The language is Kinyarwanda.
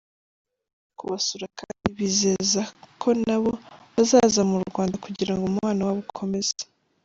kubasura kandi ibizeza ko nabo bazaza mu Rwanda kugirango umubano wabo ukomeze.